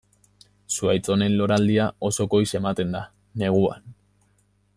Zuhaitz honen loraldia oso goiz ematen da, neguan.